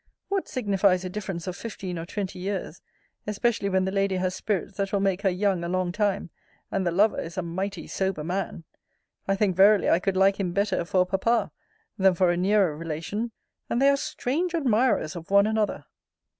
What signifies a difference of fifteen or twenty years; especially when the lady has spirits that will make her young a long time, and the lover is a mighty sober man? I think, verily, I could like him better for a papa, than for a nearer relation: and they are strange admirers of one another.